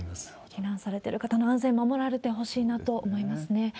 避難されてる方の安全が守られてほしいなと思いますね。